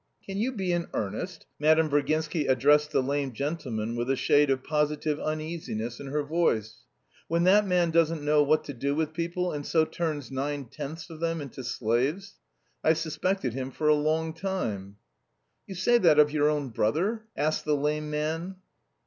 "Can you be in earnest?" Madame Virginsky addressed the lame gentleman with a shade of positive uneasiness in her voice, "when that man doesn't know what to do with people and so turns nine tenths of them into slaves? I've suspected him for a long time." "You say that of your own brother?" asked the lame man.